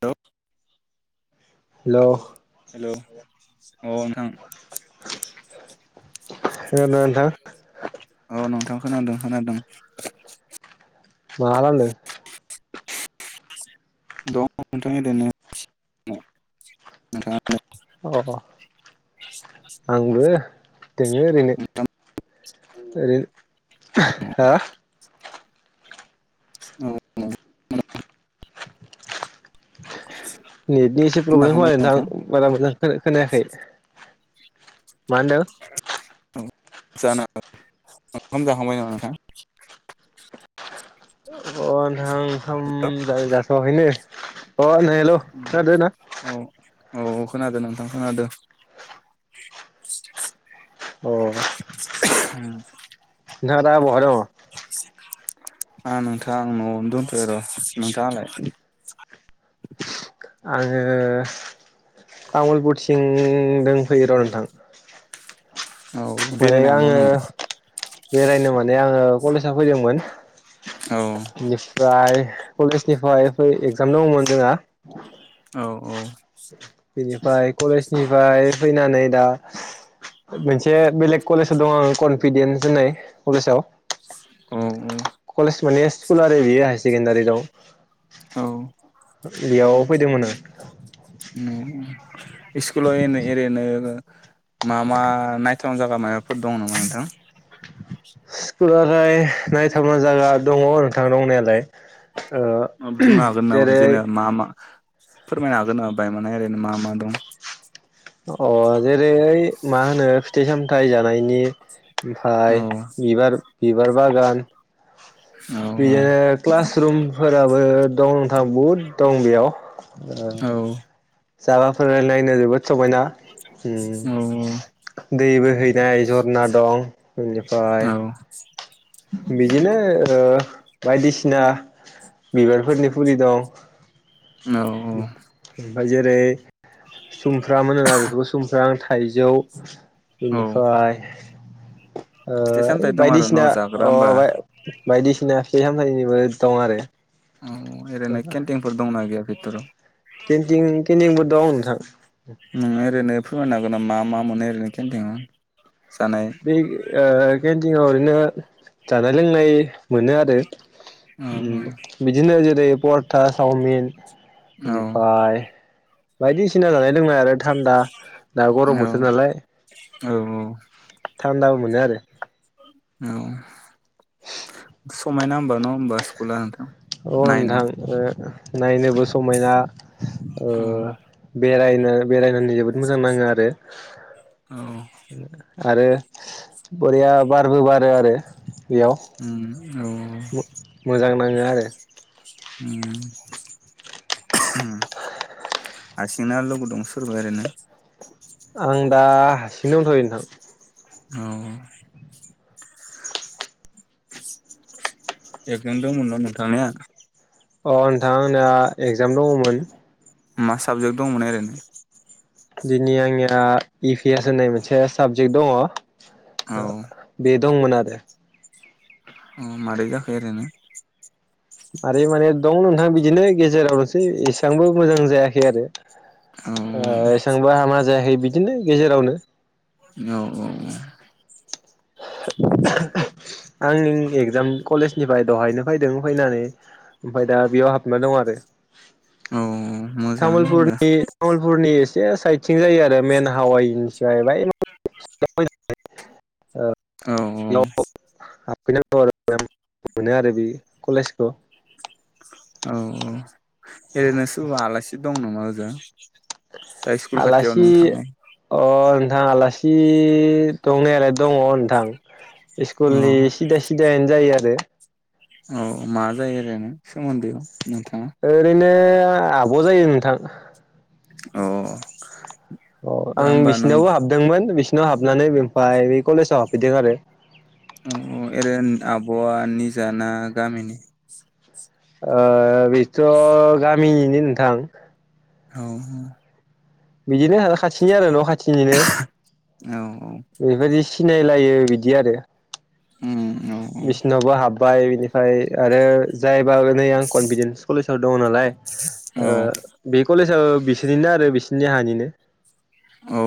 Hello नोंथां hello नोंथां औ नोंथां खोनादों खोनादों। मा खालामदो दं नोंथां ओरैनो नोंथाङा अ' आंबो दोङो ओरैनो ओंखाम ओरै हा औ औ [unintelligible] नेटनि एसे प्रब्लेम खोना नोंथां बारा मोजां खोनायाखै। मा होनदों औ जानो हागौ ओंखाम जाखांबाय नामा नोंथां। अ' नोंथां ओंखाम जा जाथ'आखौनो अ' नै हेल' खोनादोना औ औ खोनादों नोंथां खोनादो। अ' [unintelligible] नोंथांआ दा ब'हा दं आ नोंथां न'आवनो दंथ' र' नोंथाङालाय? आङो तामुलपुरथिं दोंफैयो र' नोंथां। [unintelligible] औ माने बेरायनो आङो हांदोंमोन नामा। बेरायनो माने माने आङो कलेजाव फैदोंमोन औ बेनिफ्राय कलेजनिफ्राय एगजाम दङमोन जोंहा औ औ। बेनिफ्राय कलेज निफ्राय फैनानै दा। मोनसे बेलेग कलेजाव दङ आं कनफिडेन्स होननाय कलेजाव। औ। कलेज माने सकुला। बियो हायार सेकेण्डारि दं। औ बेयाव फैदोंमोन आं। [inaudible] स्कुलाव एरैनो मा मा नायथावना जायागा माबाफोर दं नामा नोंथां। दुलाराय नायथावना जायगा दङ नोंथां दंनायालाय। ओ बुंनो हागोन नामा जेरै जेनेबा मा मा। फोरमायनो हागोन नामा बाय मान ओरैनो मा मा दं। अ जेरै मा होनो फिथाइ सामथाय जानायनि। ओमफ्राय औ औ बिबार। बिबार बागान। औ बिदिनो क्लास रुमफोराबो। दं नोंथां बहुद दं बेयाव। ओ। जाबाफोर नायनो जोबोद समायना। ओम दैबो हैनाय जरना दं। बिनिफ्राय औ बिदिनो। बायदिसिना बिबारफोरनि फुलि दं। औ औ। बा जेरै। सुमफ्रामोन होना बेफोरखौ सुमफ्राम आं थ। थाइजौ। औ बिनिफ्राय। फिथाइ सामथाइ दं आरो न' बायदिसिना जाग्रा होमबा अ बायदिसिना। फैहामथायाइनिबो दं आरो। औ रैनो केन्टिनफोर दंना गैया। [inaudible] केन्टिं केन्टिं। दं नोंथां। ओरैनो फोरमायनो हागोन नामा मा मोनो ओरैनो केन्थिं बै ओ [unintelligible] ओरैनो जानाय लोंनाय मोनो आरो। औ बिदिनो। [unintelligible] फरथा, सावमिन। ओमफाय। बायदिसिना जानाय। लोंनाय आरो थान्दा दा गरम औ बोथोर नालाय। औ थान्दाबो मोनो आरो। औ। [inaudible] [unintelligible] अ नायनो नोंथां ओ नायनोबो समायना। ओ। औ बेरायनो बेरायनानै जोबोद मोजां नाङो आरो। औ। आरो बरिया बारबो बारो आरो। बेयाव [inaudible] मोजां नाङो आरो। उम हारसिंना लोगो दं सोरबा ओरैनो। आं दा हारसिंनो दंथ'यो नोंथां। औ। एकजाम दंमोनबा नोंथांनिया। अ नोंथां आंना एगजाम दङमोन। मा साबजेक्ट दंमोन ओरैनो? दिनै आंनिया इ पि एस होननाय मोनसे साबजेक्ट दङ। औ [inaudible] दंमोन आरो। ओं मारै जाखो ओरैनो। मारै माने दं नोंथां बिदिनो गेजेरावनोसै एसेबांबो मोजां जायाखै आरो। औ ओ एसेबां। [unintelligible] हामा जायाखै बिदिनो गेजेरावनो औ औ औ। आंनि एगजाम कलेजनिफ्राय दहायनो फैदों फैनानै ओमफाय दा बेयाव हाबना दं आरो। औ मोजाङानो होनबा औ [unintelligible] औ ओरैनो सोरबा आलासि दं नामा? [unintelligible] दा स्कुल खाथियाव आलासि नों थांनाय अ थां आलासि दंनायालाय दङ नोंथां। औ स्कुलनि सिदा सिदाइ जायो आरो। औ मा जायो आरो नों सोमोन्दैआव नोंथां? ओरैनो आब' जायो नोंथां। अ। औ दा आं होमबा नों बिसिनावबो हाबदोंमोन बिसिनाव हाबनानै ओमफ्राय बे कलेजाव हाब हैदों आरो। औ एरैनो आब'आ निजाना गामिनि? ओ बिथ' गामिनिनो नोंथां। औ औ। बिदिनो खाथिनि आरो न' खाथिनिनो। औ औ। बेबायदि सिनायलायो बिदि आरो। ओम। बिसिनावबो हाब बाय बिनिफ्राय आरो जायबा नै आं कनफिदेन्स कलेजव दङ नालाय ओ औ बे कलेज ओ बिसोरनिनो आरो बिसोरनि हानिनो। औ।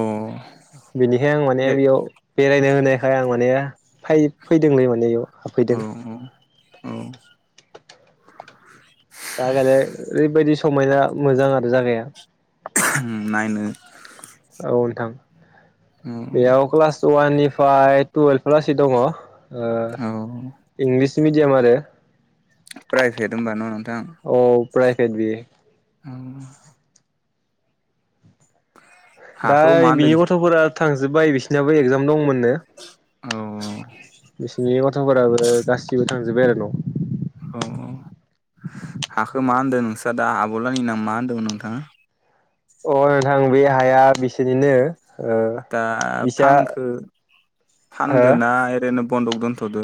बेनिखाय आं माने ए बेयाव बेरायनो होनो फाय आं मानेबा फाय फैदोंलै माने एमाव। औ औ औ। [inaudible] जागायालाय ओरैबायदि समायना मोजां आरो जागाया। उम नायनो औ नोंथां। बेयाव क्लास वाननि फाय टुयेल्भ लासै दङ। ओ औ औ इंलिस मिडियाम आरो। प्राइभेट होनबा न' नोंथां? औ प्राइभेट बियो। औ। दा हाखौ मा होनदों बिनि गथ'फोरा थांजोब्बाय बिसिनाबो एगजाम दंमोन। नो औ बिसिनि गथ'फोराबो गासिबो थां [unintelligible] औ औ हाखो मा होनदों नोंस्रा दा आब'लानि नामा होनदोंमोन नोंथाङा? अ नोंथां बे हाया बिसोरनिनो ओ दा बिसा फांखो हो फानदोना ओरैनो बन्दगदोनथदो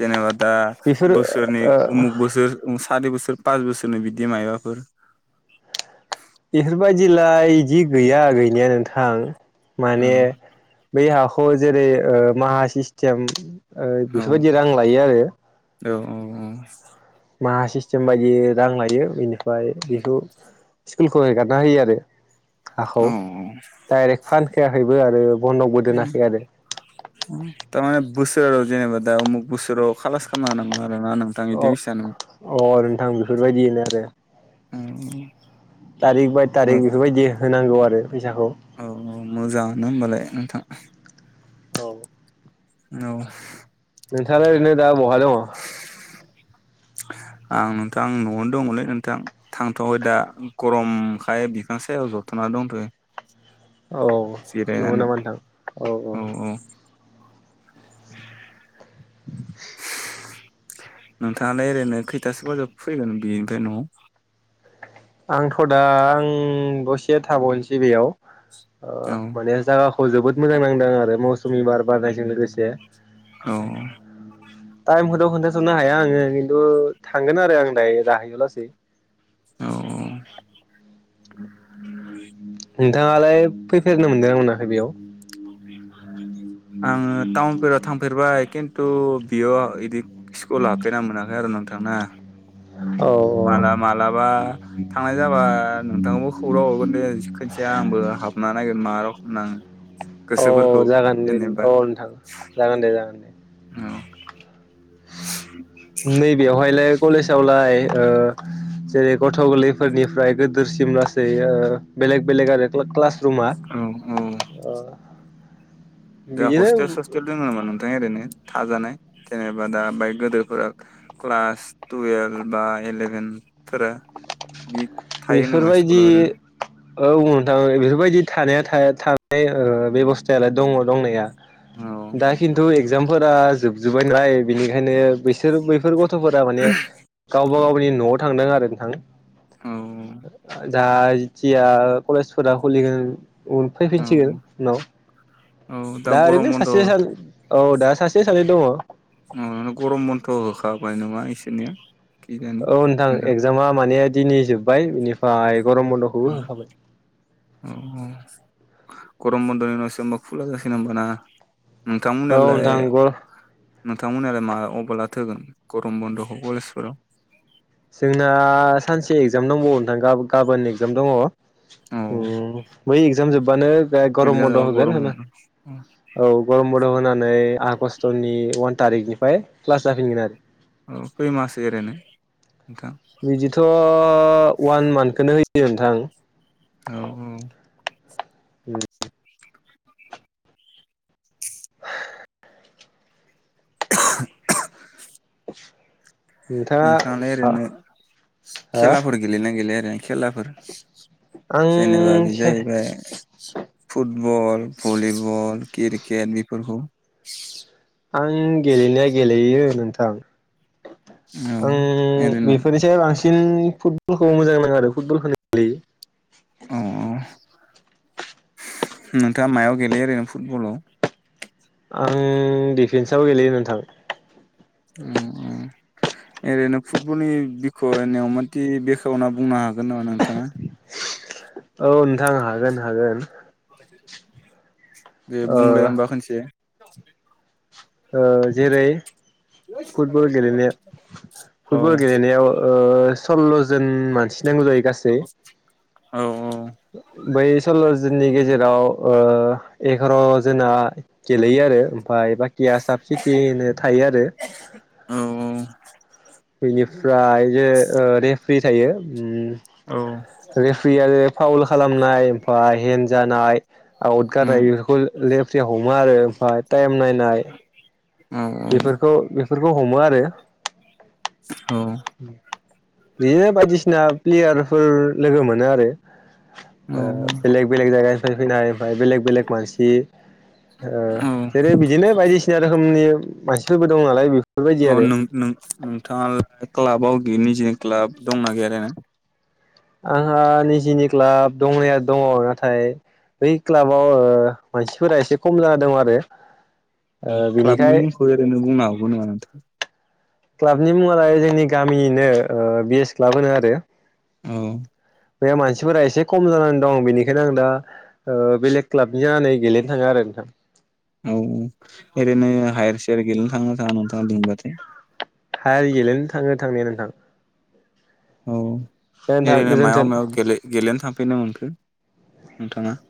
जेनेबा दा बेफोर बोसोरनि ओ उमुख बोसोर सारि बोसोर पास बोसोरनि बिदि मायाबाफोर बेफोरबायदिलाय इदि गैया गैनाया नोंथां। माने औ बै हाखौ जेरै ओ माहा सिस्टेम ओ बेफोरबायदि रां लायो आरो औ औ औ माहा सिस्टेम बायदि रां लायो बेनिफ्राय बेखौ स्कुलखौ एगारना होयो आरो हाखौ औ औ डाइरेक्ट फानखायाखै बो आरो बन्दकबो दोनाखै आरो थारमाने बोसोराव जेनेबा दा अमुक बोसोराव कालास खालामना होनांगोन आरो अ अ नोंथां बेफोरबायदिनो आरो थारिख बाय थारिख औ बेफोरबायदि होनांगौ आरो फैसाखौ औ मोजाङानो होनबालाय नोंथां। औ औ नोंथाङा ओरैनो दा बहा दङ? आं नोंथां न'आवनो दङलै नोंथां थांथ'वाखै दा गरमखाय बिफां सायाव जथना दंथ'यो। औ औ नंगौ जिरायनानै नामा नोंथां औ औ [inaudible] [inaudible] नोंथाङालाय ओरैनो खैथासो बाजोयाव फैगोन बेनिफ्राय न'आव? आंथ' दा आं दसे थाबावनोसै बेयाव। ओ औ माने जागा खौ जोबोद मोजां नांदों आरो मौसुमि बार बारनायजों लोगोसे औ टाइम खौथ' खोन्थासननो हाया आङो खिन्थु थांगोन आरो आं दायो जाहैयो लासै औ औ [inaudible] नोंथाङालाय फैफेरनो मोनदोंना मोनाखै बेयाव आङो टाउनफोराव थांफेरबाय खिन थु बियो इदि स्कुलाव हाबफेरनो मोनाखै आरो नोंथां ना? औ माला मालाबा थांनाय जाबा नोंथांनावबो खौरां हरगोन दे खोनसेया आंबो हाबना नायगोन मा रखम नाङो, औ गोसोफोरखौ जागोन दे जेनेबा औ नोंथां, जागोन दे जागोन दे। औ [inaudible] नै बेवहायलाय कलेजावलाय ओ जेरै गथ' गोरलै फोरनिफ्राय गोदिरसिम लासै ओ बेलेग बेलेग आरो क्लास रुमआ औ औ ओ दा बिदिनो हस्टेल सस्टेल दं नामा नोंथां ओरिनो थाजानाय जेनेबा दा बाहाय गोदोरफोरा क्लास टुवेल्भ बा इलेभेनफोरा? बिदि थायो नामा बेफोरबायदि स्कुलाव ओरैनो औ नोंथां बेफोरबायदि थानायाथ' ओ थानाय ओ बेबस्थायालाय दङ दंनाया। औ दा किनतु एक्जाम फोरा जोबजोब्बाय नालाय बिनिखायनो बैसोर बैफोर गथ'फोरा माने गावबा औ गावनि न'आव थांदों आरो औ नोंथां। जा जिथिया कलेजफोरा खुलिगोन उन औ फैफिनसिगोन उनाव। औ दा गरम ओरैनो बन्द' औ सासे सानै औ दा सासे सानै दङ बिसोरनिया। औ नोंथां एक्जामा माने दिनै जोब्बाय बिनिफ्राय गरम औ बन्द'खौबो होखाबाय। औ गरम बन्द'नि उनावसो होमबा खुला जासिगोन होनबाना? औ नोथां नंगौ। नोंथांमोनालाय माब्लाथो होगोन गरम बन्द'खौ कलेजफोराव? जोंना सानसे एक्जाम दंबावो नोंथां गाबोन एगजाम दङ। औ ओम बै एगजाम जोब बानो गरम एगजाम बन्द' जाबा होगोन गरम होना, बन्द' औ औ गरम मन्द' होना नै आगष्टनि अवान थारिखनिफ्राय क्लास जाफिनगोन आरो। औ खै मास एरैनो? बिदिथ' वान मानखौनो होयो होयो नोंथां, औ औ उम [unintelligible] नोंथाङा नोंथाङालाय हो ओरैनो आं खेलाफोर गेलेनो गैलाय ओरैनो खेलाफोर जेनेबा बे जाहैबाय फुट बल भलिबल क्रिकेट बेफोरफोरखौ, आं गेलेनाया गेलेयो नों थां औ आं ओरैनो बेफोरनिसाय बांसिन फुटबलखौ मोजां नाङो आरो फुटबलखौनो लि अ अ नोंथाङा मायाव गेलेयो ओरैनो फुटबलाव? आं दिफेन्साव गेलेयो नोंथां, उम औ ओरैनो फुटबलनि [unintelligible] बेखावना बुंनो हागोन नामा नोंथाङा? औ नोंथां हागोन हागोन, दे ओ बुंलाय होमबा खनसे, [unintelligible] ओ जेरै, फुटबल गेलेनो औ फुटबल गेलेनायाव ओ सल्ल'जन मानसि, नांगौ जायो गासै, औ औ बै सल' जोनि गेजेराव ओ एगार' जोना, गेलेयो आरो ओमफाय बाखिया साफ सिथिहोनो थायो आरो औ बिनिफ्राय जे ओ रेफ्रि, थायो उम औ रेफ्रिया बे फावउल खालामनाय ओमफाय, हेन जानाय, आउद गादायो बेखौ लेब, फ्रिया हमो आरो ओमफाय, टाइम नायनाय, औ औ बेफोरखौ बे बेफोरखौ हमो आरो [inaudible] बिदिनो बायदिसिना, प्लेयारफोर लोगो मोनो आरो औ ओ बेलेग बेलेग जायगा निफ्राय फैनाय ओमफ्राय बेलेग बेलेग मानसि, ओ औ जेरै बिदिनो बायदिसिना रोखोमनि मानसिफोरबो दं नालाय बे अ नों नों नोंथाङा क्लाबाव निजिनि क्लाब दंना गैया ओरैनो? आंहा निजिनि क्लाब दंनाया दङ, नाथाय बै क्लाबाव मानसिफोरा एसे खम जादों आरो। क्लाबनि बिनिखाय मुंखौ ओरैनो बुंनो हागौ नामा नोंथां? क्लाबनि मुङालाय जोंनि गामिनिनो बि एस क्लाब होनो आरो। औ बे मानसिफोरा एसे खम जानानै दं, बेनिखायनो आं दा बेलेग क्लाबनि जानानै गेलेनो थाङो आरो नोंथां। औ ओरैनो हायेर सायार गेलेनो थाङा थाङा नोंथाङा लेंबाथाय? हायार गेलेयनो थाङो थांनाया नोंथां। औ। दे नोंथां एरैनो मायाव गोजोन्थों। मायाव गेल गेलनो थां फेरनो मोनखो नोंथाङा?